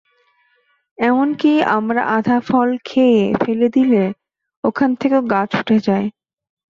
এমনকি আমরা আধা ফল খেয়ে ফেলে দিলে ওখান থেকেও গাছ উঠে যায়।